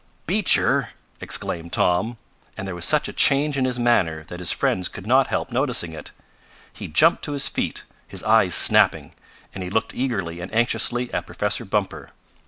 "Beecher!" exclaimed Tom, and there was such a change in his manner that his friends could not help noticing it. He jumped to his feet, his eyes snapping, and he looked eagerly and anxiously at Professor Bumper.